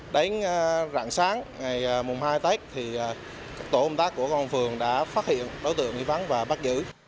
đến rạng sáng ngày mùng hai tết thì các tổ công tác của công an phường đã phát hiện đối tượng nghi vắng và bắt giữ